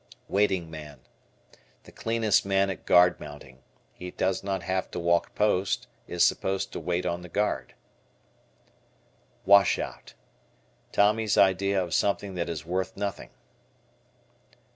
Waiting Man. The cleanest man at guard mounting. He does not have to walk post; is supposed to wait on the guard. Washout. Tommy's idea of something that is worth nothing.